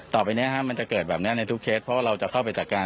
ต่อไปนี้มันจะเกิดแบบนี้ในทุกเคสเพราะว่าเราจะเข้าไปจัดการ